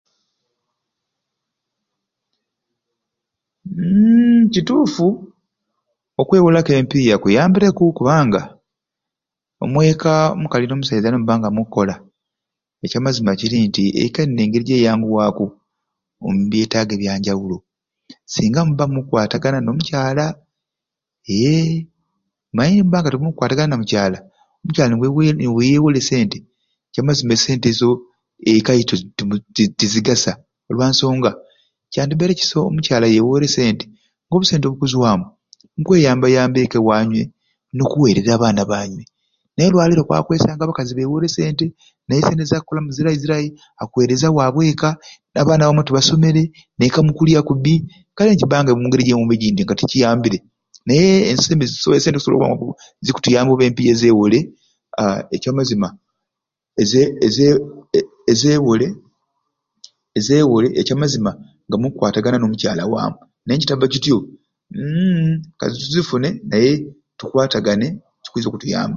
Uumm kituufu okwewolaku empiiya kiyambireku kubanga omweka omukali n'omusaiza nimubba nga mukukola ekyamazima kiri nti eka erina engeri gyeyanguwaaku omubyetaago ebyanjawulo singa mubba mukukwatagana n'omukyala eee naye nimubba nga timukukwatagana na Mukyala omukyala niwei niyewola e sente ekyamazima e sente ezo eka tetezi tezigasa olwansonga kyandibaire kisai omukyala yewoore e sente ng'obw'obusente obukuzwamu bukuyambayamba eka yanywe n'okuweerera abaana baanywe naye olwaleero okwaba kwesanga nga abakazi bewoore e sente naye e sente zakugulamu zirai zirai akuweereza wabw'eka n'abaana baanywe tibasomere n'eka mukulya kubbi kale nikibba omungeri eyo oba egindi nga tikiyambure naye e sente ziyamba oba empiiya ezeewole aa ekyamazima eze eze a ezeewole ezeewole ekyamazima nga mukukwatagana n'omukyala waamu naye nikitabba kityo uumm katuzifune naye tukkwatagana kikwiza okutuyamba.